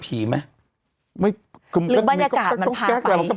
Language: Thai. ฟังลูกครับ